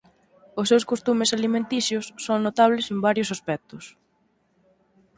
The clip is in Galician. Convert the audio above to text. Os seus costumes alimenticios son notables en varios aspectos.